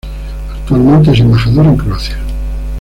Actualmente es embajador en Croacia.